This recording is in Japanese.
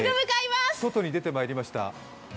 さて、外に出てまいりました。